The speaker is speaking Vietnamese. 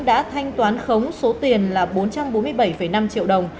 đã thanh toán khống số tiền là bốn trăm bốn mươi bảy năm triệu đồng